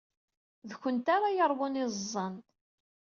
D kennemti ara yeṛwun iẓẓan.